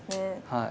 はい。